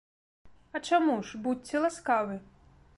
А чаму ж, будзьце ласкавы!